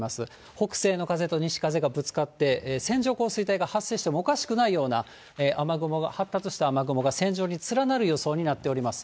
北西の風と西風がぶつかって、線状降水帯が発生してもおかしくないような雨雲が、発達した雨雲が線状に連なる予想になっています。